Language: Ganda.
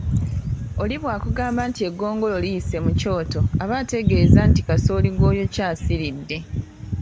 Oli bw'akugamba nti eggongolo liyise mu kyoto aba ategeeza nti kasooli gw'oyokya asiridde